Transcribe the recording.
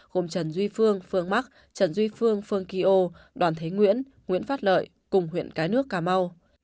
gồm trần duy phương phương mắc trần duy phương phương kỳ ô đoàn thế nguyễn nguyễn phát lợi cùng huyện cái nước cà mau